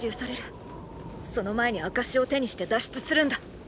その前に「証」を手にして脱出するんだ。